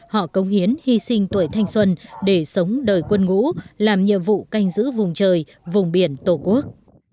họ công hiến hy sinh tuổi thanh xuân để sống đời quân ngũ làm nhiệm vụ canh giữ vùng trời vùng biển tổ quốc